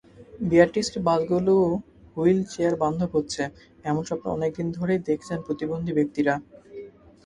বিআরটিসির বাসগুলো হুইল চেয়ার-বান্ধব হচ্ছে, এমন স্বপ্ন অনেক দিন ধরেই দেখছেন প্রতিবন্ধী ব্যক্তিরা।